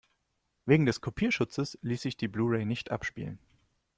Wegen des Kopierschutzes ließ sich die Blu-ray nicht abspielen.